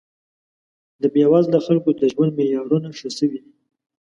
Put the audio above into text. د بې وزله خلکو د ژوند معیارونه ښه شوي دي